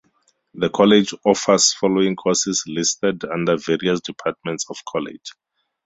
The college offers following courses listed under various departments of college.